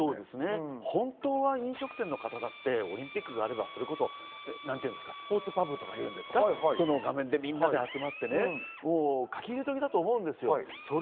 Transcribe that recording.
本当は飲食店のことだって、オリンピックがあればスポーツパブっていうんですか、画面で、みんなで集まって、書き入れ時だと思うんです。